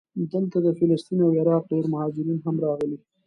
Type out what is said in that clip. دلته د فلسطین او عراق ډېر مهاجرین هم راغلي.